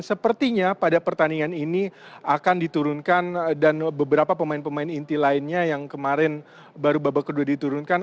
dan sepertinya pada pertandingan ini akan diturunkan dan beberapa pemain pemain inti lainnya yang kemarin baru babak kedua diturunkan